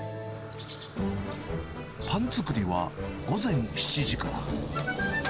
パン作りは午前７時から。